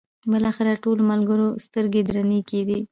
بالاخره د ټولو ملګرو سترګې درنې کېدې.